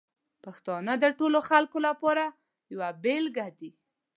پښتانه د ټولو خلکو لپاره یوه بېلګه دي.